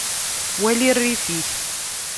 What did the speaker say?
Wali rrif-ik.